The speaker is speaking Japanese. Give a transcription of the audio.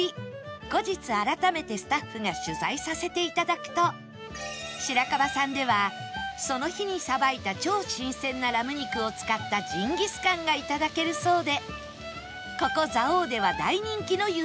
後日改めてスタッフが取材させて頂くと白樺さんではその日にさばいた超新鮮なラム肉を使ったジンギスカンが頂けるそうでここ蔵王では大人気の有名店